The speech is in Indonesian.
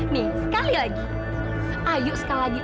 nih sekali lagi ayo sekali lagi